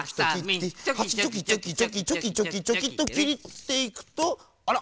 「はさみ」「チョキチョキチョキチョキチョキチョキチョキ」ときっていくとあら！